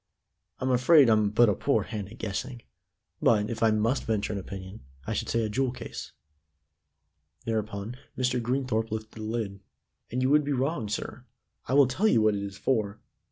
"I'm afraid I'm but a poor hand at guessing, but, if I must venture an opinion, I should say a jewel case." Thereupon Mr. Greenthorpe lifted the lid. "And you would be wrong, sir. I will tell you what it is for.